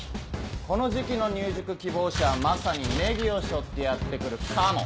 この時期の入塾希望者はまさにネギを背負ってやって来るカモ。